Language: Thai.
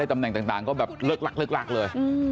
และตำแหน่งต่างเลย